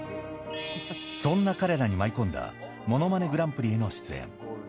そんな彼らに舞い込んだものまねグランプリへの出演。